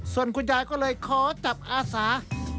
ส่วนคุณยายก็เลยขอจับอาสา